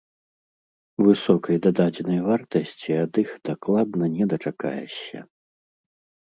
Высокай дададзенай вартасці ад іх дакладна не дачакаешся.